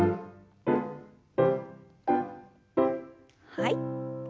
はい。